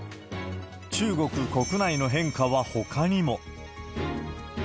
中国国内の変化はほかにも。